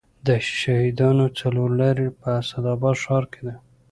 د شهیدانو څلور لارې په اسداباد ښار کې ده